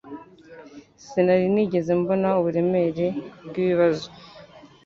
Sinari narigeze mbona uburemere bwibibazo